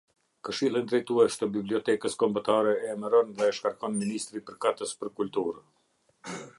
Këshillin Drejtues të Bibliotekës Kombëtare e emëron dhe e shkarkon Ministri përkatës për Kulturë.